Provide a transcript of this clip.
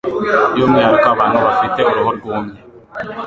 By'umwihariko abantu bafite uruhu rwumye